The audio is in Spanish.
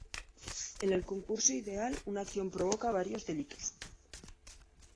En el concurso ideal una acción provoca varios delitos.